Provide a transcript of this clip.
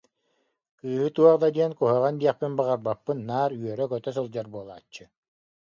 Кыыһы туох да диэн куһаҕан диэхпин баҕарбаппын, наар үөрэ-көтө сылдьар буолааччы